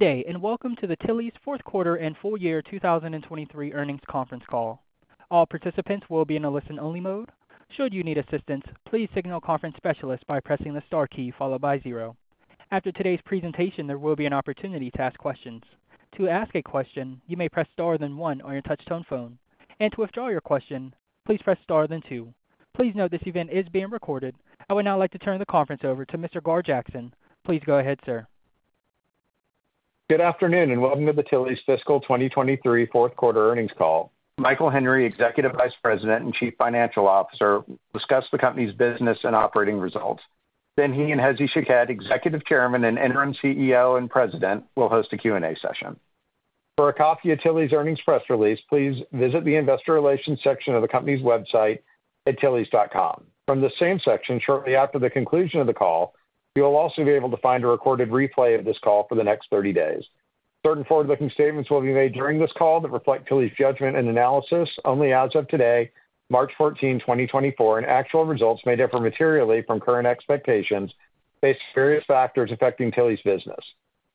Good day and welcome to the Tilly's Fourth Quarter and Full Year 2023 Earnings Conference Call. All participants will be in a listen-only mode. Should you need assistance, please signal the conference specialist by pressing the star key followed by zero. After today's presentation, there will be an opportunity to ask questions. To ask a question, you may press star then one on your touch-tone phone, and to withdraw your question, please press star then two. Please note this event is being recorded. I would now like to turn the conference over to Mr. Gar Jackson. Please go ahead, sir. Good afternoon and welcome to the Tilly's fiscal 2023 fourth quarter earnings call. Michael Henry, Executive Vice President and Chief Financial Officer, will discuss the company's business and operating results. Then he and Hezy Shaked, Executive Chairman and Interim CEO and President, will host a Q&A session. For a copy of Tilly's earnings press release, please visit the Investor Relations section of the company's website at tillys.com. From the same section, shortly after the conclusion of the call, you will also be able to find a recorded replay of this call for the next 30 days. Certain forward-looking statements will be made during this call that reflect Tilly's judgment and analysis only as of today, March 14, 2024, and actual results may differ materially from current expectations based on various factors affecting Tilly's business.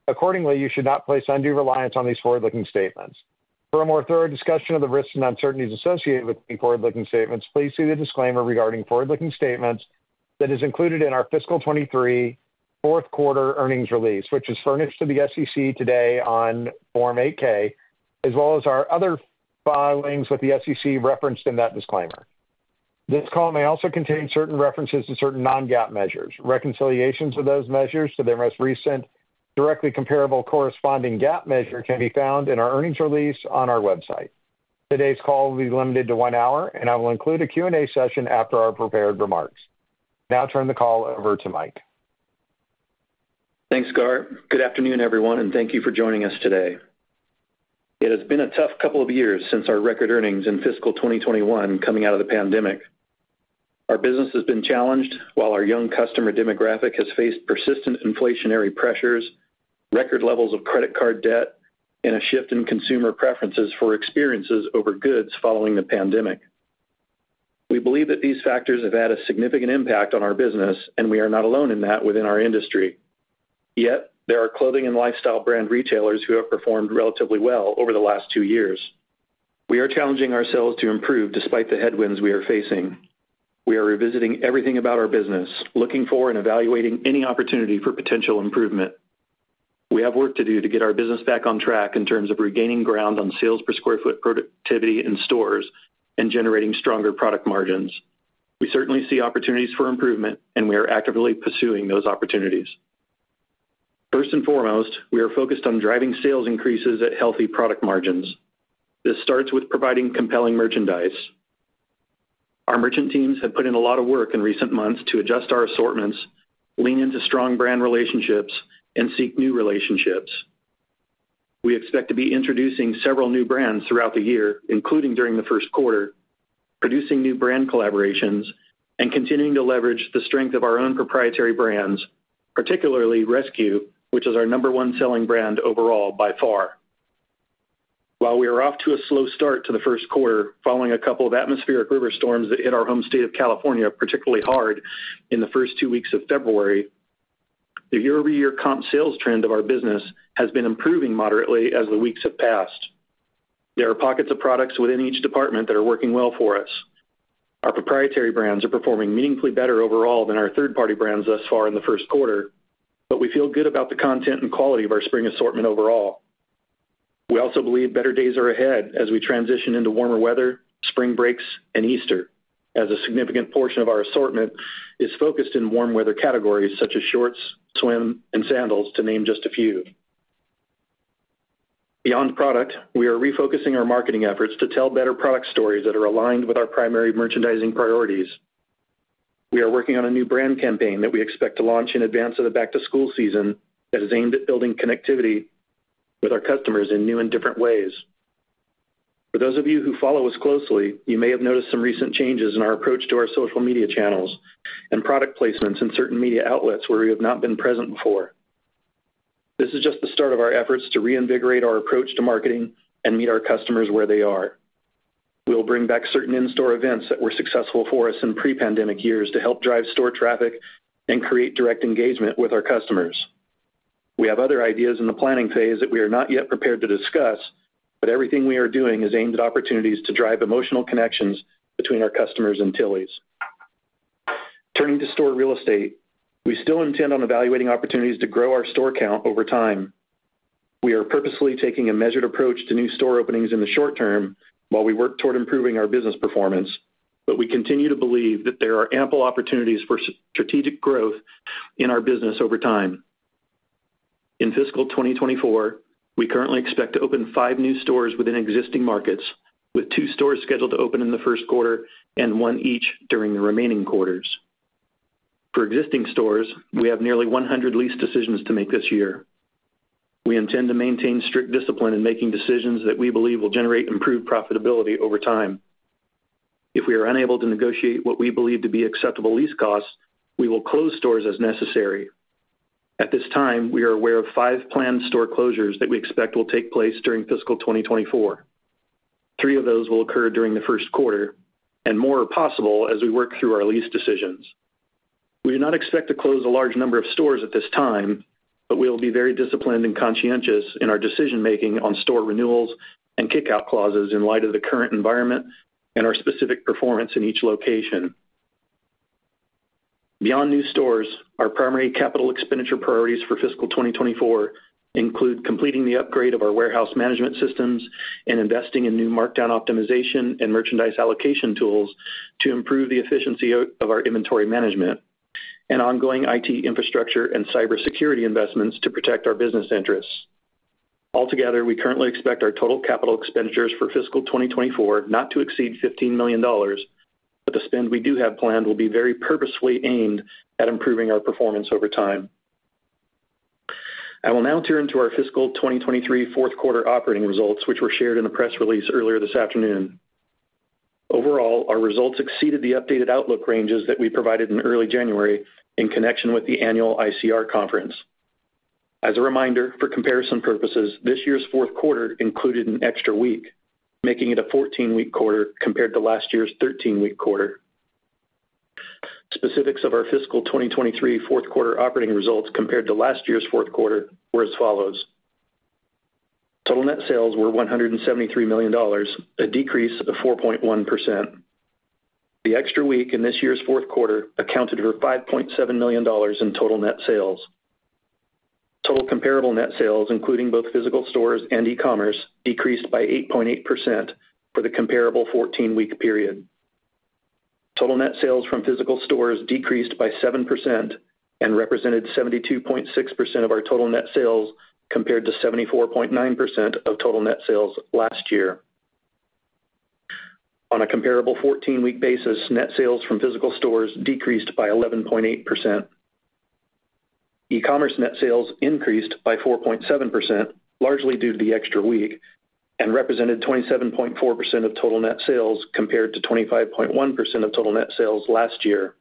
Accordingly, you should not place undue reliance on these forward-looking statements. For a more thorough discussion of the risks and uncertainties associated with the forward-looking statements, please see the disclaimer regarding forward-looking statements that is included in our fiscal 2023 fourth quarter earnings release, which is furnished to the SEC today on Form 8-K, as well as our other filings with the SEC referenced in that disclaimer. This call may also contain certain references to certain non-GAAP measures. Reconciliations of those measures to their most recent directly comparable corresponding GAAP measure can be found in our earnings release on our website. Today's call will be limited to one hour, and I will include a Q&A session after our prepared remarks. Now turn the call over to Mike. Thanks, Gar. Good afternoon, everyone, and thank you for joining us today. It has been a tough couple of years since our record earnings in fiscal 2021 coming out of the pandemic. Our business has been challenged while our young customer demographic has faced persistent inflationary pressures, record levels of credit card debt, and a shift in consumer preferences for experiences over goods following the pandemic. We believe that these factors have had a significant impact on our business, and we are not alone in that within our industry. Yet, there are clothing and lifestyle brand retailers who have performed relatively well over the last two years. We are challenging ourselves to improve despite the headwinds we are facing. We are revisiting everything about our business, looking for and evaluating any opportunity for potential improvement. We have work to do to get our business back on track in terms of regaining ground on sales per square foot productivity in stores and generating stronger product margins. We certainly see opportunities for improvement, and we are actively pursuing those opportunities. First and foremost, we are focused on driving sales increases at healthy product margins. This starts with providing compelling merchandise. Our merchant teams have put in a lot of work in recent months to adjust our assortments, lean into strong brand relationships, and seek new relationships. We expect to be introducing several new brands throughout the year, including during the first quarter, producing new brand collaborations, and continuing to leverage the strength of our own proprietary brands, particularly RSQ, which is our number one selling brand overall by far. While we are off to a slow start to the first quarter following a couple of atmospheric river storms that hit our home state of California particularly hard in the first two weeks of February, the year-over-year comp sales trend of our business has been improving moderately as the weeks have passed. There are pockets of products within each department that are working well for us. Our proprietary brands are performing meaningfully better overall than our third-party brands thus far in the first quarter, but we feel good about the content and quality of our spring assortment overall. We also believe better days are ahead as we transition into warmer weather, spring breaks, and Easter, as a significant portion of our assortment is focused in warm weather categories such as shorts, swim, and sandals, to name just a few. Beyond product, we are refocusing our marketing efforts to tell better product stories that are aligned with our primary merchandising priorities. We are working on a new brand campaign that we expect to launch in advance of the back-to-school season that is aimed at building connectivity with our customers in new and different ways. For those of you who follow us closely, you may have noticed some recent changes in our approach to our social media channels and product placements in certain media outlets where we have not been present before. This is just the start of our efforts to reinvigorate our approach to marketing and meet our customers where they are. We'll bring back certain in-store events that were successful for us in pre-pandemic years to help drive store traffic and create direct engagement with our customers. We have other ideas in the planning phase that we are not yet prepared to discuss, but everything we are doing is aimed at opportunities to drive emotional connections between our customers and Tilly's. Turning to store real estate, we still intend on evaluating opportunities to grow our store count over time. We are purposely taking a measured approach to new store openings in the short term while we work toward improving our business performance, but we continue to believe that there are ample opportunities for strategic growth in our business over time. In fiscal 2024, we currently expect to open five new stores within existing markets, with two stores scheduled to open in the first quarter and one each during the remaining quarters. For existing stores, we have nearly 100 lease decisions to make this year. We intend to maintain strict discipline in making decisions that we believe will generate improved profitability over time. If we are unable to negotiate what we believe to be acceptable lease costs, we will close stores as necessary. At this time, we are aware of five planned store closures that we expect will take place during fiscal 2024. three of those will occur during the first quarter, and more are possible as we work through our lease decisions. We do not expect to close a large number of stores at this time, but we will be very disciplined and conscientious in our decision-making on store renewals and kickout clauses in light of the current environment and our specific performance in each location. Beyond new stores, our primary capital expenditure priorities for fiscal 2024 include completing the upgrade of our warehouse management systems and investing in new markdown optimization and merchandise allocation tools to improve the efficiency of our inventory management, and ongoing IT infrastructure and cybersecurity investments to protect our business interests. Altogether, we currently expect our total capital expenditures for fiscal 2024 not to exceed $15 million, but the spend we do have planned will be very purposefully aimed at improving our performance over time. I will now turn to our fiscal 2023 fourth quarter operating results, which were shared in the press release earlier this afternoon. Overall, our results exceeded the updated outlook ranges that we provided in early January in connection with the annual ICR conference. As a reminder, for comparison purposes, this year's fourth quarter included an extra week, making it a 14-week quarter compared to last year's 13-week quarter. Specifics of our fiscal 2023 fourth quarter operating results compared to last year's fourth quarter were as follows. Total net sales were $173 million, a decrease of 4.1%. The extra week in this year's fourth quarter accounted for $5.7 million in total net sales. Total comparable net sales, including both physical stores and e-commerce, decreased by 8.8% for the comparable 14-week period. Total net sales from physical stores decreased by 7% and represented 72.6% of our total net sales compared to 74.9% of total net sales last year. On a comparable 14-week basis, net sales from physical stores decreased by 11.8%. E-commerce net sales increased by 4.7%, largely due to the extra week, and represented 27.4% of total net sales compared to 25.1% of total net sales last year.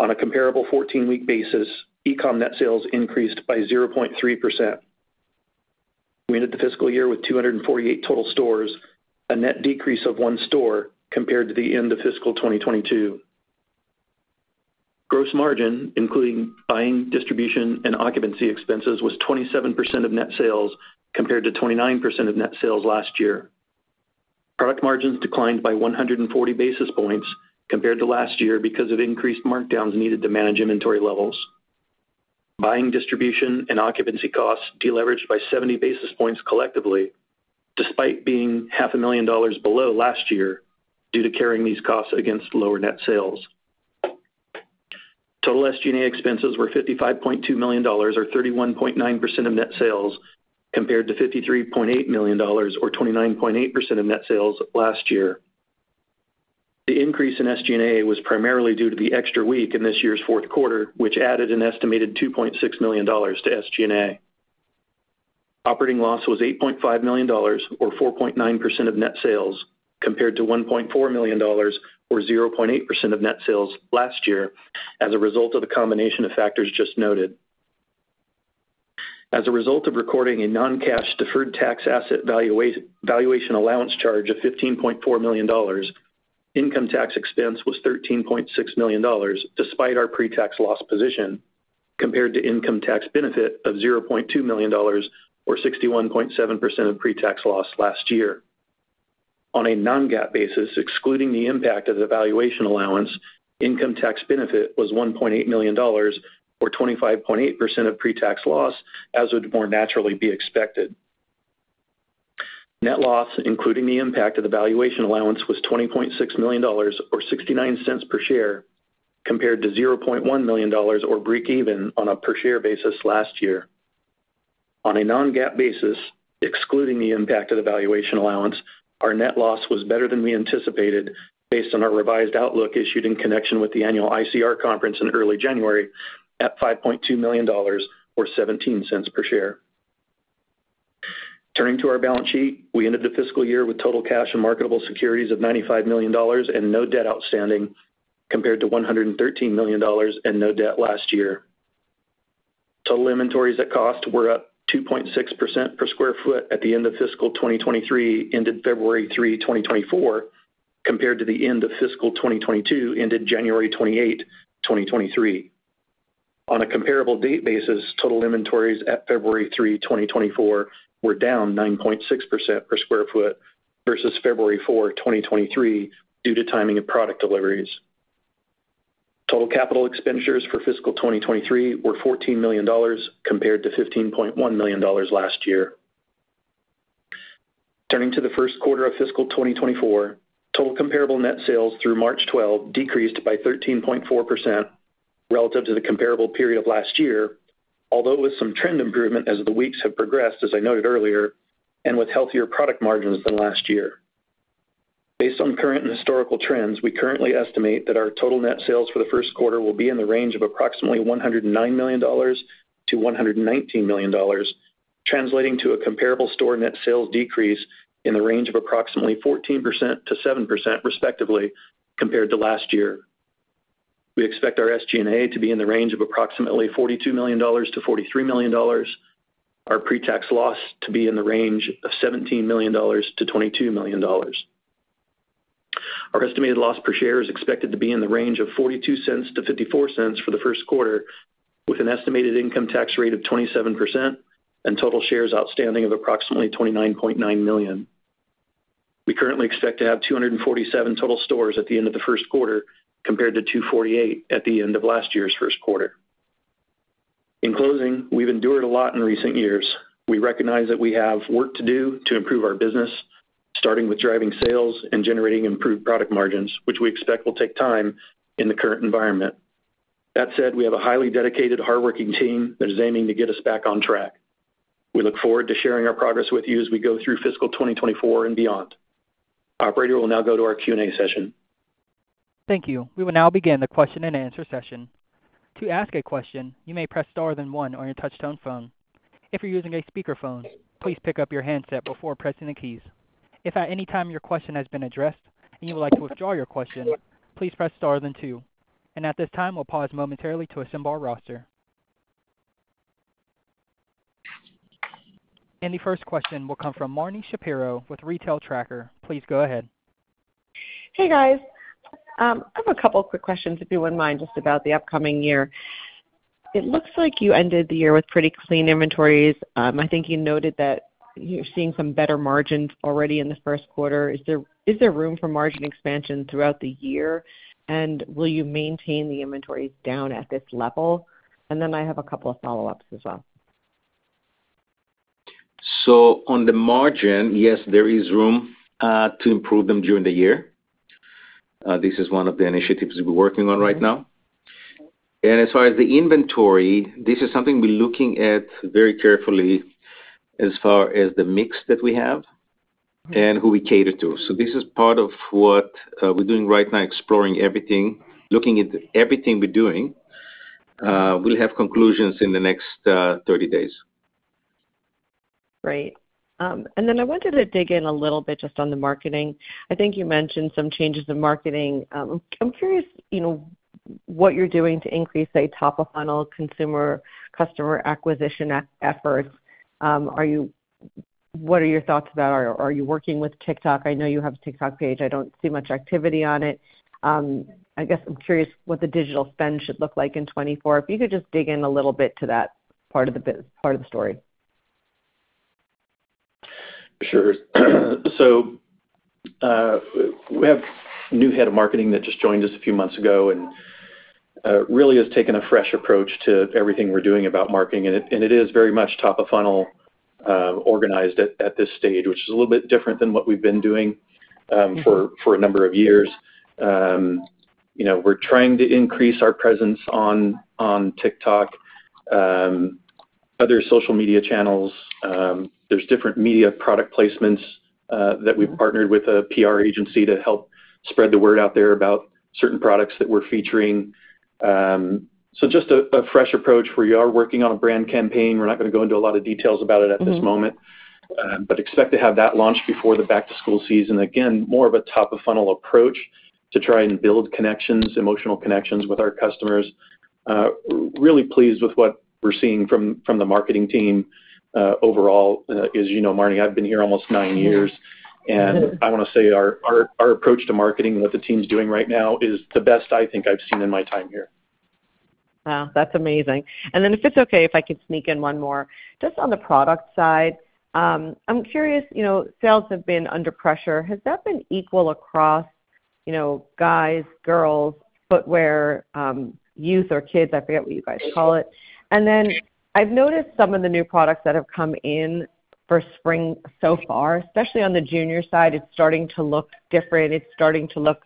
On a comparable 14-week basis, e-com net sales increased by 0.3%. We ended the fiscal year with 248 total stores, a net decrease of one store compared to the end of fiscal 2022. Gross margin, including buying, distribution, and occupancy expenses, was 27% of net sales compared to 29% of net sales last year. Product margins declined by 140 basis points compared to last year because of increased markdowns needed to manage inventory levels. Buying, distribution, and occupancy costs deleveraged by 70 basis points collectively, despite being $500,000 below last year due to carrying these costs against lower net sales. Total SG&A expenses were $55.2 million, or 31.9% of net sales, compared to $53.8 million, or 29.8% of net sales last year. The increase in SG&A was primarily due to the extra week in this year's fourth quarter, which added an estimated $2.6 million to SG&A. Operating loss was $8.5 million, or 4.9% of net sales, compared to $1.4 million, or 0.8% of net sales last year as a result of the combination of factors just noted. As a result of recording a non-cash deferred tax asset valuation allowance charge of $15.4 million, income tax expense was $13.6 million despite our pre-tax loss position compared to income tax benefit of $0.2 million, or 61.7% of pre-tax loss last year. On a non-GAAP basis, excluding the impact of the valuation allowance, income tax benefit was $1.8 million, or 25.8% of pre-tax loss as would more naturally be expected. Net loss, including the impact of the valuation allowance, was $20.6 million, or $0.69 per share, compared to $0.1 million, or break-even on a per-share basis last year. On a non-GAAP basis, excluding the impact of the valuation allowance, our net loss was better than we anticipated based on our revised outlook issued in connection with the annual ICR conference in early January at $5.2 million, or $0.17 per share. Turning to our balance sheet, we ended the fiscal year with total cash and marketable securities of $95 million and no debt outstanding compared to $113 million and no debt last year. Total inventories at cost were up 2.6% per sq ft at the end of fiscal 2023, ended February 3, 2024, compared to the end of fiscal 2022, ended January 28, 2023. On a comparable date basis, total inventories at February 3, 2024, were down 9.6% per sq ft versus February 4, 2023, due to timing of product deliveries. Total capital expenditures for fiscal 2023 were $14 million compared to $15.1 million last year. Turning to the first quarter of fiscal 2024, total comparable net sales through March 12 decreased by 13.4% relative to the comparable period of last year, although with some trend improvement as the weeks have progressed, as I noted earlier, and with healthier product margins than last year. Based on current and historical trends, we currently estimate that our total net sales for the first quarter will be in the range of approximately $109 million-$119 million, translating to a comparable store net sales decrease in the range of approximately 14%-7% respectively compared to last year. We expect our SG&A to be in the range of approximately $42 million-$43 million. Our pre-tax loss to be in the range of $17 million-$22 million. Our estimated loss per share is expected to be in the range of $0.42-$0.54 for the first quarter, with an estimated income tax rate of 27% and total shares outstanding of approximately 29.9 million. We currently expect to have 247 total stores at the end of the first quarter compared to 248 at the end of last year's first quarter. In closing, we've endured a lot in recent years. We recognize that we have work to do to improve our business, starting with driving sales and generating improved product margins, which we expect will take time in the current environment. That said, we have a highly dedicated, hardworking team that is aiming to get us back on track. We look forward to sharing our progress with you as we go through fiscal 2024 and beyond. Operator will now go to our Q&A session. Thank you. We will now begin the question-and-answer session. To ask a question, you may press star, then one on your touch-tone phone. If you're using a speakerphone, please pick up your handset before pressing the keys. If at any time your question has been addressed and you would like to withdraw your question, please press star, then two. And at this time, we'll pause momentarily to assemble our roster. And the first question will come from Marni Shapiro with Retail Tracker. Please go ahead. Hey guys. I have a couple of quick questions, if you wouldn't mind, just about the upcoming year. It looks like you ended the year with pretty clean inventories. I think you noted that you're seeing some better margins already in the first quarter. Is there room for margin expansion throughout the year, and will you maintain the inventories down at this level? And then I have a couple of follow-ups as well. So on the margin, yes, there is room to improve them during the year. This is one of the initiatives we're working on right now. And as far as the inventory, this is something we're looking at very carefully as far as the mix that we have and who we cater to. So this is part of what we're doing right now, exploring everything, looking at everything we're doing. We'll have conclusions in the next 30 days. Great. And then I wanted to dig in a little bit just on the marketing. I think you mentioned some changes in marketing. I'm curious what you're doing to increase, say, top-of-funnel consumer customer acquisition efforts. What are your thoughts about are you working with TikTok? I know you have a TikTok page. I don't see much activity on it. I guess I'm curious what the digital spend should look like in 2024. If you could just dig in a little bit to that part of the story. Sure. So we have a new head of marketing that just joined us a few months ago and really has taken a fresh approach to everything we're doing about marketing. It is very much top-of-funnel organized at this stage, which is a little bit different than what we've been doing for a number of years. We're trying to increase our presence on TikTok, other social media channels. There's different media product placements that we've partnered with a PR agency to help spread the word out there about certain products that we're featuring. So, just a fresh approach where you are working on a brand campaign. We're not going to go into a lot of details about it at this moment, but expect to have that launched before the back-to-school season. Again, more of a top-of-funnel approach to try and build connections, emotional connections with our customers. Really pleased with what we're seeing from the marketing team overall. As you know, Marni, I've been here almost nine years. And I want to say, our approach to marketing and what the team's doing right now is the best I think I've seen in my time here. Wow. That's amazing. And then, if it's okay, if I could sneak in one more. Just on the product side, I'm curious. Sales have been under pressure. Has that been equal across guys, girls, footwear, youth, or kids? I forget what you guys call it. And then I've noticed some of the new products that have come in for spring so far, especially on the junior side. It's starting to look different. It's starting to look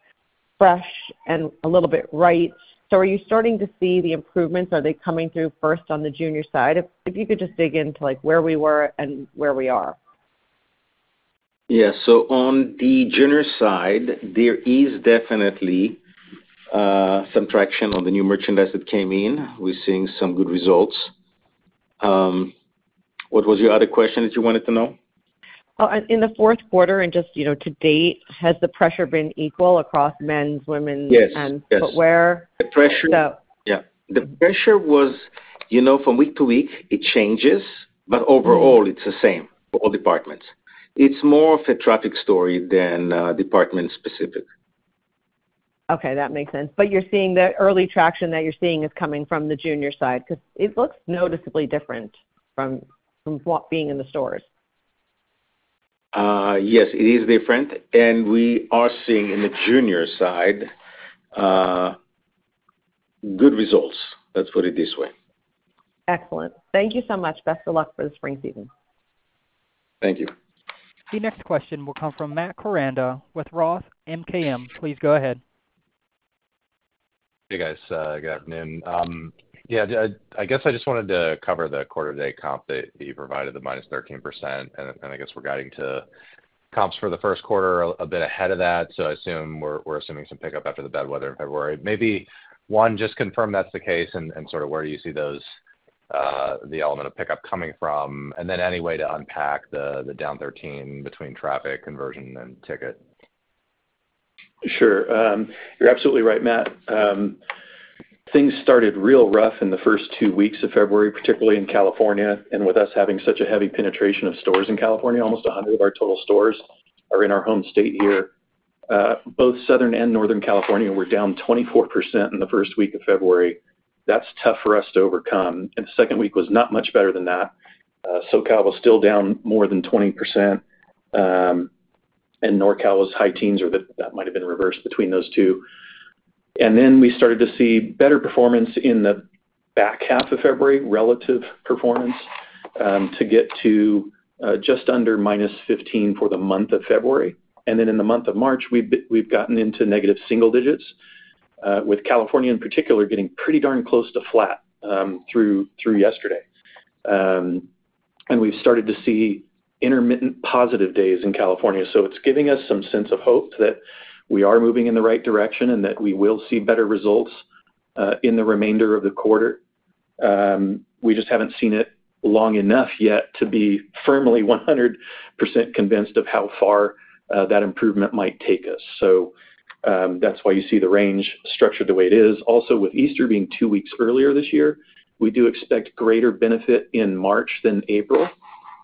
fresh and a little bit right. So are you starting to see the improvements? Are they coming through first on the junior side? If you could just dig into where we were and where we are. Yeah. So on the junior side, there is definitely some traction on the new merchandise that came in. We're seeing some good results. What was your other question that you wanted to know? Oh, in the fourth quarter and just to date, has the pressure been equal across men's, women's, and footwear? Yes. The pressure was from week to week, it changes, but overall, it's the same for all departments. It's more of a traffic story than department-specific. Okay. That makes sense. But you're seeing the early traction that you're seeing is coming from the junior side because it looks noticeably different from being in the stores. Yes. It is different. And we are seeing in the junior side good results. Let's put it this way. Excellent. Thank you so much. Best of luck for the spring season. Thank you. The next question will come from Matt Koranda with Roth MKM. Please go ahead. Hey guys. Good afternoon. Yeah. I guess I just wanted to cover the quarter-to-date comp that you provided, the -13%. And I guess we're guiding to comps for the first quarter a bit ahead of that. So I assume we're assuming some pickup after the bad weather in February. Maybe one, just confirm that's the case and sort of where do you see the element of pickup coming from, and then any way to unpack the down 13 between traffic, conversion, and ticket. Sure. You're absolutely right, Matt. Things started real rough in the first two weeks of February, particularly in California. And with us having such a heavy penetration of stores in California, almost 100 of our total stores are in our home state here. Both Southern and Northern California were down 24% in the first week of February. That's tough for us to overcome. And the second week was not much better than that. SoCal was still down more than 20%. And NorCal was high teens, or that might have been reversed between those two. And then we started to see better performance in the back half of February, relative performance, to get to just under -15% for the month of February. And then in the month of March, we've gotten into negative single digits, with California in particular getting pretty darn close to flat through yesterday. And we've started to see intermittent positive days in California. So it's giving us some sense of hope that we are moving in the right direction and that we will see better results in the remainder of the quarter. We just haven't seen it long enough yet to be firmly 100% convinced of how far that improvement might take us. So that's why you see the range structured the way it is. Also, with Easter being 2 weeks earlier this year, we do expect greater benefit in March than April.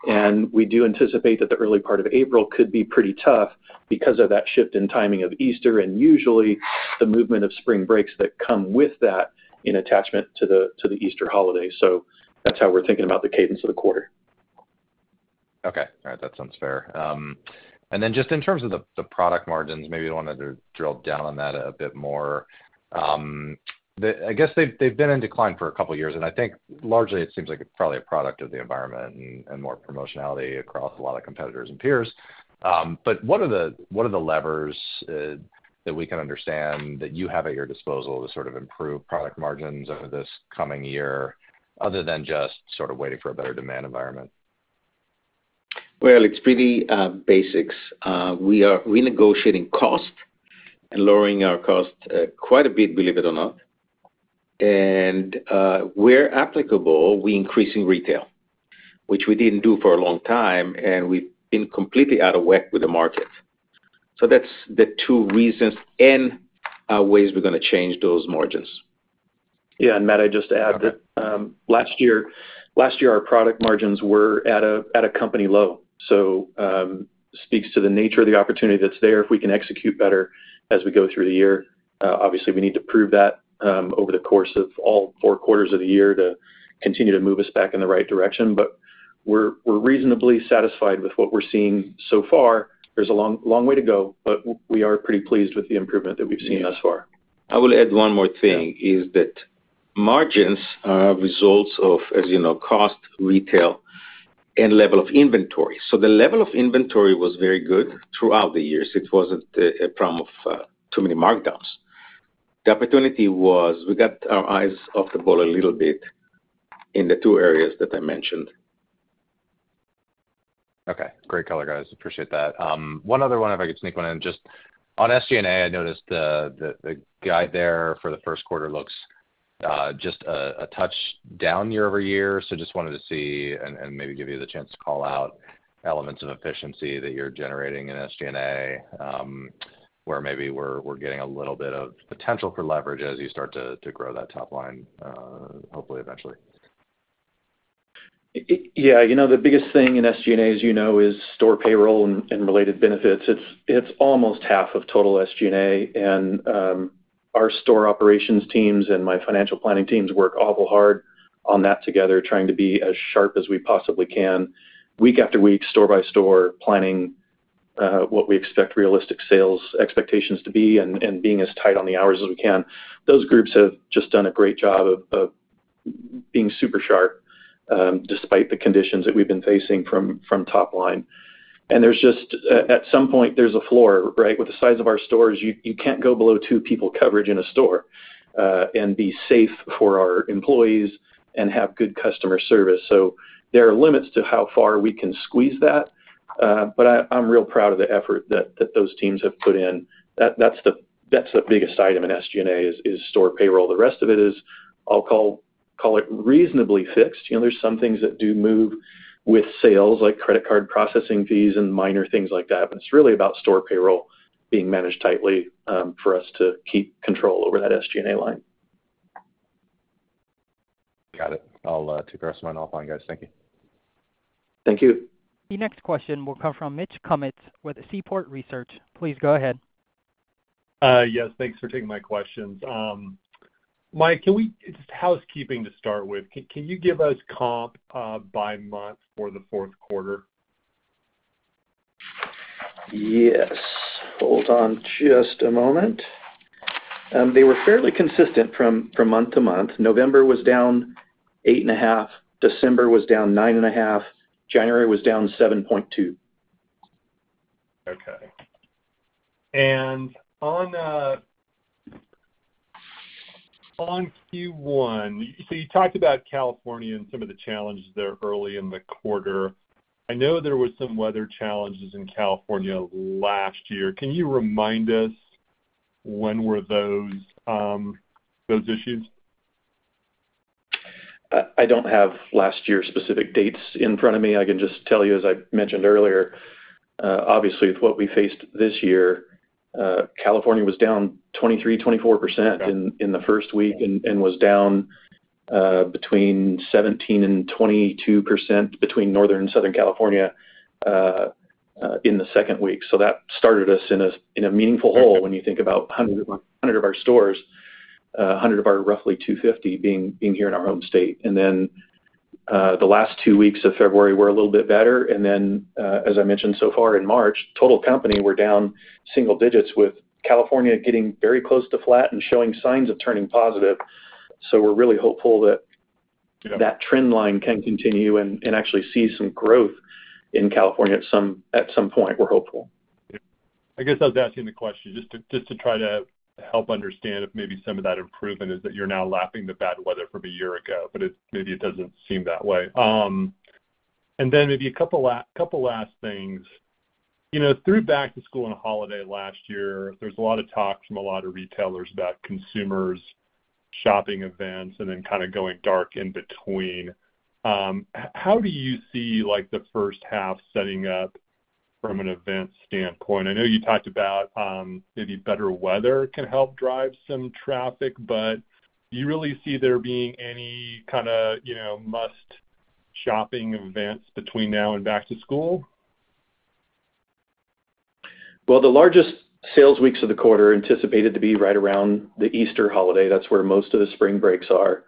And we do anticipate that the early part of April could be pretty tough because of that shift in timing of Easter and usually the movement of spring breaks that come with that in attachment to the Easter holiday. So that's how we're thinking about the cadence of the quarter. Okay. All right. That sounds fair. And then just in terms of the product margins, maybe you wanted to drill down on that a bit more. I guess they've been in decline for a couple of years. And I think largely, it seems like it's probably a product of the environment and more promotionality across a lot of competitors and peers. But what are the levers that we can understand that you have at your disposal to sort of improve product margins over this coming year, other than just sort of waiting for a better demand environment? Well, it's pretty basics. We are renegotiating cost and lowering our cost quite a bit, believe it or not. And where applicable, we're increasing retail, which we didn't do for a long time. And we've been completely out of whack with the market. So that's the two reasons and ways we're going to change those margins. Yeah. And Matt, I'd just add that last year, our product margins were at a company low. So it speaks to the nature of the opportunity that's there if we can execute better as we go through the year. Obviously, we need to prove that over the course of all four quarters of the year to continue to move us back in the right direction. But we're reasonably satisfied with what we're seeing so far. There's a long way to go, but we are pretty pleased with the improvement that we've seen thus far. I will add one more thing, is that margins are results of, as you know, cost, retail, and level of inventory. So the level of inventory was very good throughout the years. It wasn't a problem of too many markdowns. The opportunity was we got our eyes off the ball a little bit in the two areas that I mentioned. Okay. Great color, guys. Appreciate that. One other one, if I could sneak one in. Just on SG&A, I noticed the guide there for the first quarter looks just a touch down year-over-year. So just wanted to see and maybe give you the chance to call out elements of efficiency that you're generating in SG&A where maybe we're getting a little bit of potential for leverage as you start to grow that top line, hopefully, eventually. Yeah. The biggest thing in SG&A, as you know, is store payroll and related benefits. It's almost half of total SG&A. And our store operations teams and my financial planning teams work awful hard on that together, trying to be as sharp as we possibly can, week after week, store by store, planning what we expect realistic sales expectations to be and being as tight on the hours as we can. Those groups have just done a great job of being super sharp despite the conditions that we've been facing from top line. And at some point, there's a floor, right? With the size of our stores, you can't go below two people coverage in a store and be safe for our employees and have good customer service. So there are limits to how far we can squeeze that. But I'm real proud of the effort that those teams have put in. That's the biggest item in SG&A, is store payroll. The rest of it is, I'll call it reasonably fixed. There's some things that do move with sales, like credit card processing fees and minor things like that. But it's really about store payroll being managed tightly for us to keep control over that SG&A line. Got it. I'll take the rest of mine off on you guys. Thank you. Thank you. The next question will come from Mitch Kummetz with Seaport Research Partners. Please go ahead. Yes. Thanks for taking my questions. Mike, just housekeeping to start with, can you give us comp by month for the fourth quarter? Yes. Hold on just a moment. They were fairly consistent from month to month. November was down 8.5%. December was down 9.5%. January was down 7.2%. Okay. On Q1, so you talked about California and some of the challenges there early in the quarter. I know there were some weather challenges in California last year. Can you remind us when were those issues? I don't have last year's specific dates in front of me. I can just tell you, as I mentioned earlier, obviously, with what we faced this year, California was down 23%-24% in the first week and was down 17%-22% between Northern and Southern California in the second week. So that started us in a meaningful hole when you think about 100 of our stores, 100 of our roughly 250 being here in our home state. And then the last two weeks of February were a little bit better. And then, as I mentioned so far in March, total company were down single digits with California getting very close to flat and showing signs of turning positive. So we're really hopeful that that trend line can continue and actually see some growth in California at some point; we're hopeful. Yeah. I guess I was asking the question just to try to help understand if maybe some of that improvement is that you're now lapping the bad weather from a year ago, but maybe it doesn't seem that way. And then maybe a couple last things. Through back-to-school and holiday last year, there's a lot of talk from a lot of retailers about consumers' shopping events and then kind of going dark in between. How do you see the first half setting up from an event standpoint? I know you talked about maybe better weather can help drive some traffic, but do you really see there being any kind of must-shopping events between now and back to school? Well, the largest sales weeks of the quarter are anticipated to be right around the Easter holiday. That's where most of the spring breaks are.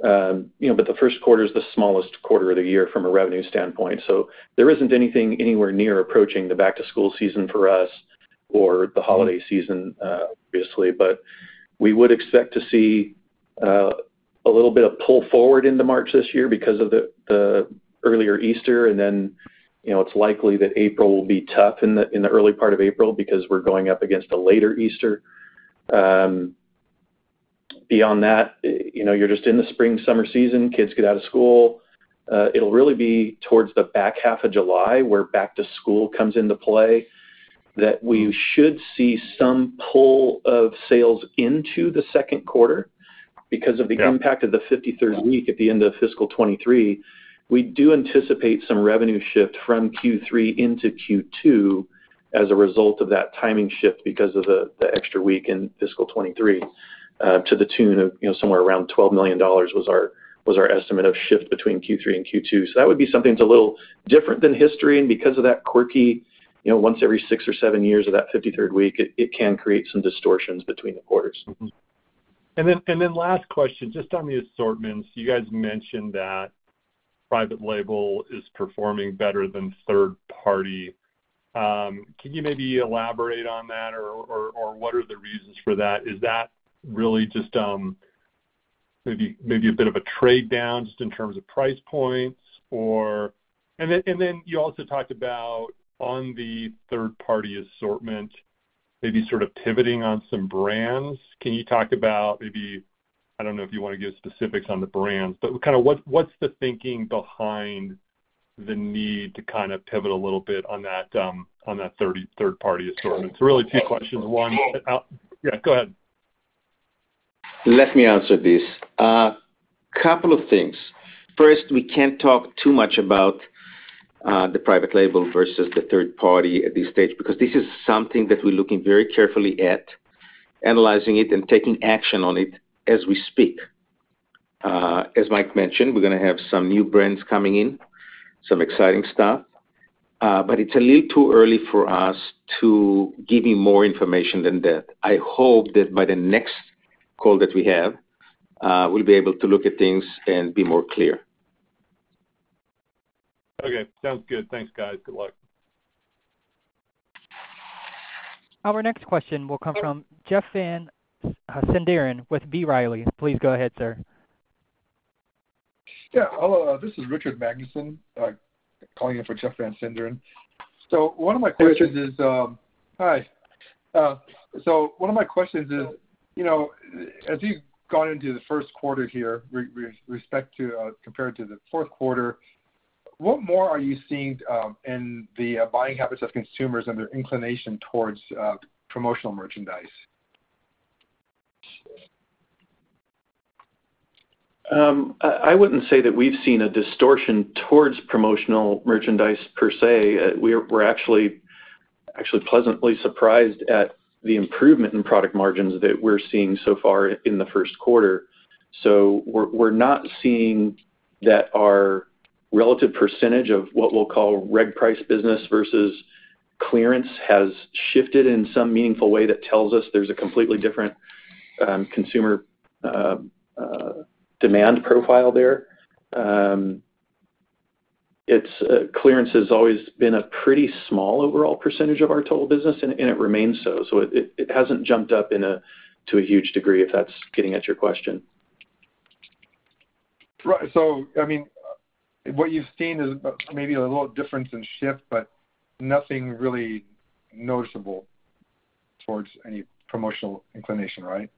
But the first quarter is the smallest quarter of the year from a revenue standpoint. So there isn't anything anywhere near approaching the back-to-school season for us or the holiday season, obviously. But we would expect to see a little bit of pull forward into March this year because of the earlier Easter. And then it's likely that April will be tough in the early part of April because we're going up against a later Easter. Beyond that, you're just in the spring/summer season. Kids get out of school. It'll really be towards the back half of July where back to school comes into play that we should see some pull of sales into the second quarter because of the impact of the 53rd week at the end of fiscal 2023. We do anticipate some revenue shift from Q3 into Q2 as a result of that timing shift because of the extra week in fiscal 2023 to the tune of somewhere around $12 million was our estimate of shift between Q3 and Q2. So that would be something that's a little different than history. And because of that quirky, once every six or seven years of that 53rd week, it can create some distortions between the quarters. And then last question, just on the assortments, you guys mentioned that private label is performing better than third-party. Can you maybe elaborate on that, or what are the reasons for that? Is that really just maybe a bit of a trade-down just in terms of price points? And then you also talked about, on the third-party assortment, maybe sort of pivoting on some brands. Can you talk about maybe I don't know if you want to give specifics on the brands, but kind of what's the thinking behind the need to kind of pivot a little bit on that third-party assortment? So really two questions. One, yeah, go ahead. Let me answer this. A couple of things. First, we can't talk too much about the private label versus the third-party at this stage because this is something that we're looking very carefully at, analyzing it, and taking action on it as we speak. As Mike mentioned, we're going to have some new brands coming in, some exciting stuff. But it's a little too early for us to give you more information than that. I hope that by the next call that we have, we'll be able to look at things and be more clear. Okay. Sounds good. Thanks, guys. Good luck. Our next question will come from Jeff Van Sinderen with B. Riley. Please go ahead, sir. Yeah. Hello. This is Richard Magnusen calling in for Jeff Van Sinderen. So one of my questions is, as you've gone into the first quarter here compared to the fourth quarter, what more are you seeing in the buying habits of consumers and their inclination towards promotional merchandise? I wouldn't say that we've seen a distortion towards promotional merchandise per se. We're actually pleasantly surprised at the improvement in product margins that we're seeing so far in the first quarter. So we're not seeing that our relative percentage of what we'll call reg-price business versus clearance has shifted in some meaningful way that tells us there's a completely different consumer demand profile there. Clearance has always been a pretty small overall percentage of our total business, and it remains so. So it hasn't jumped up to a huge degree, if that's getting at your question. Right. So I mean, what you've seen is maybe a little difference in shift, but nothing really noticeable towards any promotional inclination, right?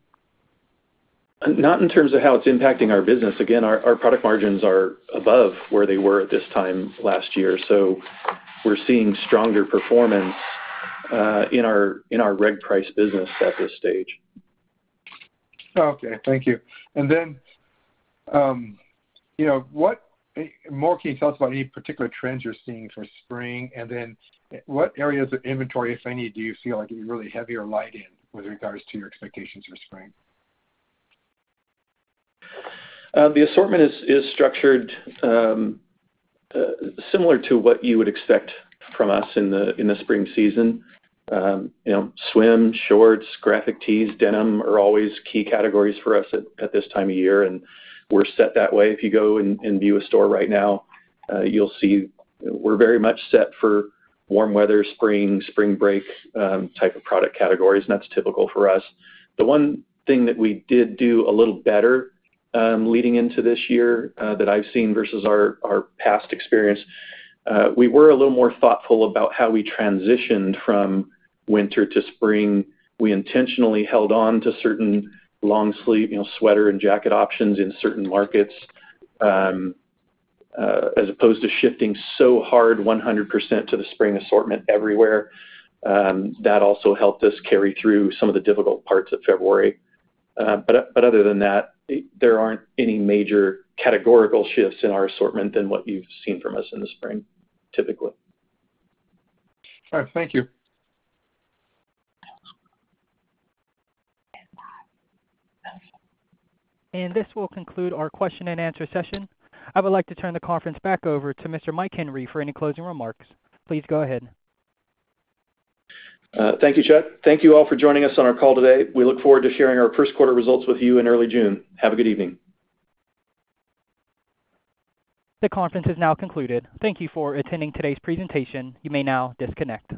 Not in terms of how it's impacting our business. Again, our product margins are above where they were at this time last year. So we're seeing stronger performance in our reg-price business at this stage. Okay. Thank you. And then what more can you tell us about any particular trends you're seeing for spring? And then what areas of inventory, if any, do you feel like it'd be really heavy or light in with regards to your expectations for spring? The assortment is structured similar to what you would expect from us in the spring season. Swim, shorts, graphic tees, denim are always key categories for us at this time of year. And we're set that way. If you go and view a store right now, you'll see we're very much set for warm weather, spring, spring break type of product categories, and that's typical for us. The one thing that we did do a little better leading into this year that I've seen versus our past experience, we were a little more thoughtful about how we transitioned from winter to spring. We intentionally held on to certain long-sleeve sweater and jacket options in certain markets as opposed to shifting so hard 100% to the spring assortment everywhere. That also helped us carry through some of the difficult parts of February. But other than that, there aren't any major categorical shifts in our assortment than what you've seen from us in the spring, typically. All right. Thank you. And this will conclude our question-and-answer session. I would like to turn the conference back over to Mr. Mike Henry for any closing remarks. Please go ahead. Thank you, Chet. Thank you all for joining us on our call today. We look forward to sharing our first quarter results with you in early June. Have a good evening. The conference is now concluded. Thank you for attending today's presentation. You may now disconnect.